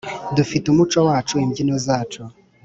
dufite umuco wacu, imbyino zacu,